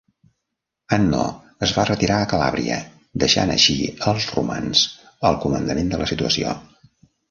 Hanno es va retirar a Calàbria, deixant així als romans al comandament de la situació.